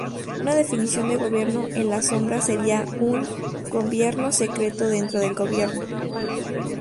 Una definición de gobierno en la sombra sería un "gobierno secreto dentro del gobierno".